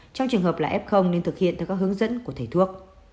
trong trường hợp là f nên thực hiện theo các hướng dẫn của thầy thuốc